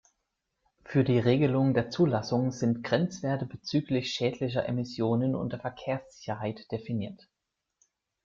Für die Regelung der Zulassung sind Grenzwerte bezüglich schädlicher Emissionen und der Verkehrssicherheit definiert.